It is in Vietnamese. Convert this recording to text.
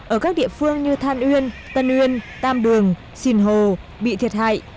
ở các địa phương như than uyên tân uyên tam đường xìn hồ bị thiệt hại